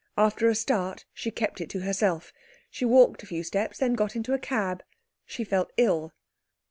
After a start she kept it to herself. She walked a few steps, then got into a cab. She felt ill.